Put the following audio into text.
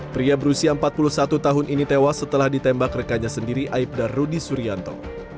pria berusia empat puluh satu tahun ini tewas setelah ditembak rekannya sendiri aibda rudy suryanto